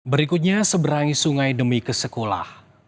berikutnya seberangi sungai demi kesekolah